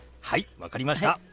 はい分かりました。